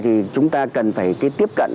thì chúng ta cần phải tiếp cận